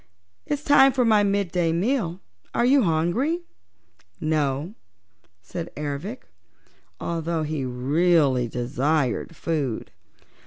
It's time for my midday meal; are you hungry?" "No," said Ervic, although he really desired food.